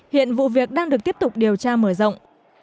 hiện vụ việc đang được tiếp tục điều tra mở rộng